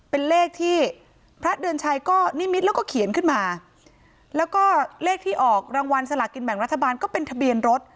เป็นเลขที่พระเดือนชัยก็นิมิตแล้วก็เขียนขึ้นมาแล้วก็เลขที่ออกรางวัลสลากินแบ่งรัฐบาลก็เป็นทะเบียนรถ